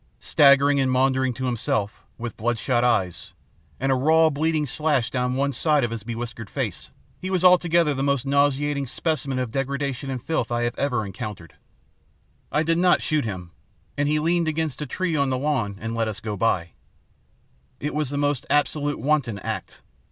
Staggering and maundering to himself, with bloodshot eyes, and a raw and bleeding slash down one side of his bewhiskered face, he was altogether the most nauseating specimen of degradation and filth I had ever encountered. I did not shoot him, and he leaned against a tree on the lawn to let us go by. It was the most absolute, wanton act.